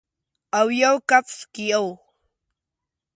اویو کپس کې یو